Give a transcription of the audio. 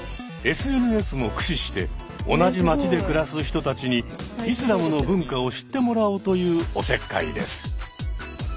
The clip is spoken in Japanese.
ＳＮＳも駆使して同じ街で暮らす人たちにイスラムの文化を知ってもらおうというおせっかいです。